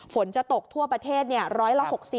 ฝนจะตกทั่วประเทศ๑๖๐บาท